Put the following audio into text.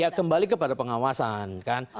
ya kembali kepada pengawasan